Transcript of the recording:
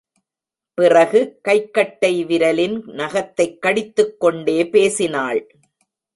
பிறகு கைக்கட்டை விரலின் நகத்தைக் கடித்துக் கோண்டே பேசினாள்.